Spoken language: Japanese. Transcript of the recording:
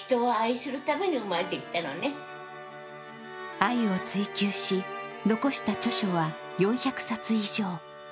愛を追求し残した著書は４００冊以上。